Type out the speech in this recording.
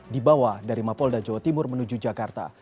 dibawa dari mapolda jawa timur menuju jakarta